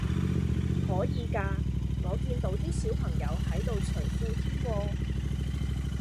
唔可以㗎？我見到啲小朋友喺度除褲添喎